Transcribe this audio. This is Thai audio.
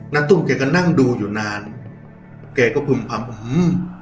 น้ำตุ้มแกก็นั่งดูอยู่นานแกก็พึ่งพำอืม